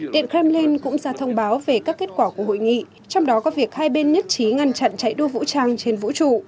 điện kremlin cũng ra thông báo về các kết quả của hội nghị trong đó có việc hai bên nhất trí ngăn chặn chạy đua vũ trang trên vũ trụ